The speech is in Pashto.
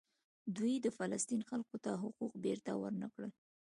دوی د فلسطین خلکو ته حقوق بیرته ورنکړل.